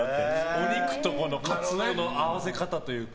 お肉とカツオの合わせ方というか。